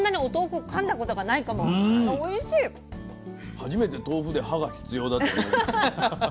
初めて豆腐で歯が必要だと思いました。